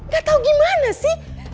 gak tau gimana sih